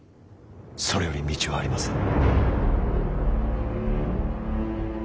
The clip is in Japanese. それより道はありません。